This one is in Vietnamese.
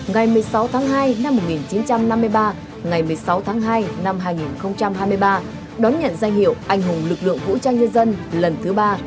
ngày một mươi sáu tháng hai năm một nghìn chín trăm năm mươi ba ngày một mươi sáu tháng hai năm hai nghìn hai mươi ba đón nhận danh hiệu anh hùng lực lượng vũ trang nhân dân lần thứ ba